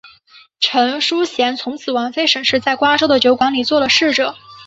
陈叔贤从此王妃沈氏在瓜州的酒馆里做了侍者。